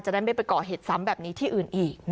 ได้ไม่ไปก่อเหตุซ้ำแบบนี้ที่อื่นอีก